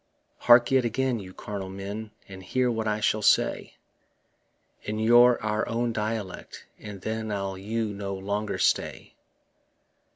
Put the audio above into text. Hark yet again, you carnal men, And hear what I shall say In your own dialect, and then I'll you no longer stay.